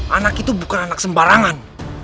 anak itu bukan anak sembarangan